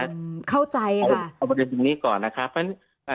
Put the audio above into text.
เอาประเด็นจุดนี้ก่อนนะครับ